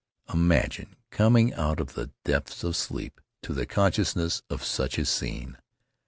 Imagine coming out of the depths of sleep to the consciousness of such a scene!